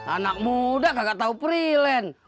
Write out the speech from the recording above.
anak muda nggak tahu freelance